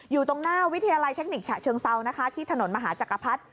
อยู่ตรงหน้าวิทยาลัยเทคนิคฉะเชิงเซานะคะที่ถนนมหาจักรพรรดิ